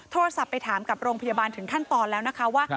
โทรศัพท์ไปถามกับโรงพยาบาลถึงขั้นตอนแล้วนะคะว่า